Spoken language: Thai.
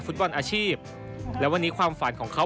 อยู่บ้าง